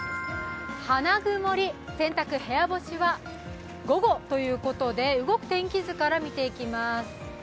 花曇り、洗濯部屋干しは午後ということで動く天気図から見ていきます。